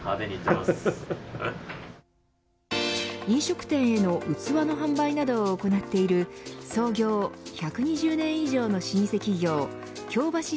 飲食店への器の販売などを行っている創業１２０年以上の老舗企業京橋